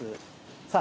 さあ、